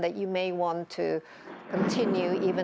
apakah anda ingin berteruskan